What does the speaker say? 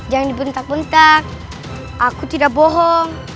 aku tidak bohong